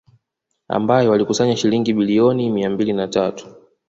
Ambayo walikusanya shilingi bilioni mia mbili na tatu